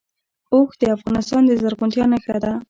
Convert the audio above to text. اوښ د افغانستان د زرغونتیا نښه ده.